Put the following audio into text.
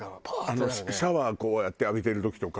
シャワーこうやって浴びてる時とか。